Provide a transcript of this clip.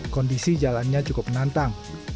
kondisi jalannya cukup menantang